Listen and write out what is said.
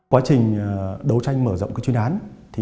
quá trình đấu tranh mở rộng chuyên án